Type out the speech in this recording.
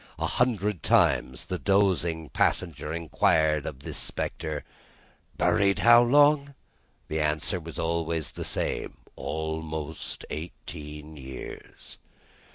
A hundred times the dozing passenger inquired of this spectre: "Buried how long?" The answer was always the same: "Almost eighteen years."